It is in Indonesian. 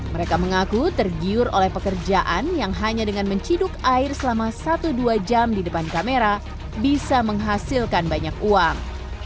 mereka mengaku tergiur oleh pekerjaan yang hanya dengan menciduk air selama satu dua jam di depan kamera bisa menghasilkan banyak uang